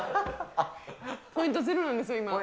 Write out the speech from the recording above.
ポイント０なんですよ、今。